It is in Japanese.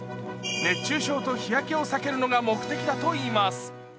熱中症と日焼けを避けるのが目的だといいます。